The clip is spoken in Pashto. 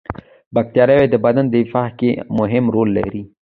بکتریا د بدن دفاع کې مهم رول لري